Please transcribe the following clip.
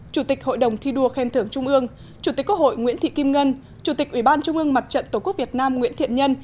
chủ tịch hội đồng thi đua khen thưởng trung ương chủ tịch quốc hội nguyễn thị kim ngân chủ tịch ủy ban trung ương mặt trận tổ quốc việt nam nguyễn thiện nhân